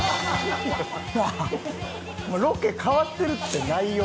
なあロケ変わってるって内容が。